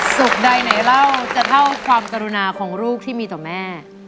สุขใดไหนเล่าจะเท่าความกรุณาของลูกที่มีต่อแม่